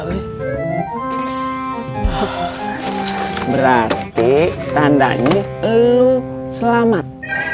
berarti tandanya lo selamat